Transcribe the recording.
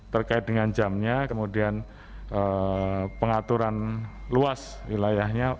terkait dengan jamnya kemudian pengaturan luas wilayahnya